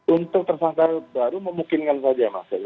untuk tersangka baru memungkinkan saja mas